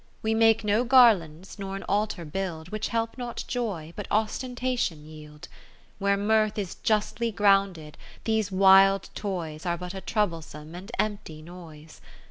We make no garlands, nor an altar build. Which help not Joy, but Ostentation yield. Where mirth is justly grounded, these wild toys Are but a troublesome, and empty noise.